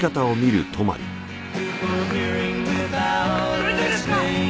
大丈夫ですか！？